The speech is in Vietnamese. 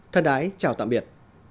thân đái chào tạm biệt